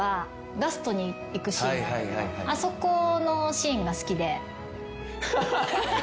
あそこのシーンが好きで。